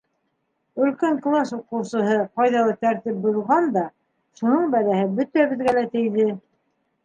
Өлкән класс уҡыусыһы ҡайҙалыр тәртип боҙған да, шуның бәләһе бөтәбеҙгә лә тейҙе.